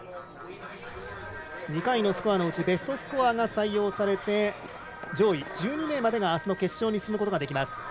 ２回のスコアのうちベストスコアが採用されて上位１２名までがあすの決勝に進めます。